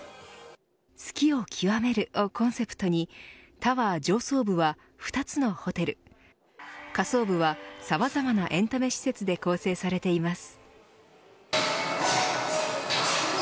好きを極めるをコンセプトにタワー上層部は２つのホテル下層部はさまざまなエンタメ施設で構成されています。